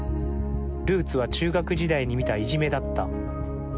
ルーツは中学時代に見た「いじめ」だった。